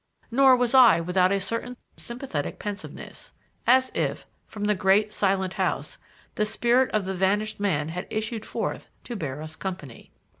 Nor was I without a certain sympathetic pensiveness; as if, from the great, silent house, the spirit of the vanished man had issued forth to bear us company.